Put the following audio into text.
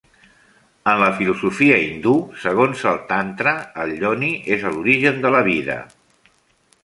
En la filosofia hindú, segons el tantra, el yoni és l'origen de la vida.